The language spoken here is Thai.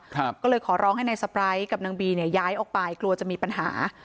ก็เลยขอร้องให้นายสปร้ายกับนางบีเนี่ยย้ายออกไปกลัวจะมีปัญหา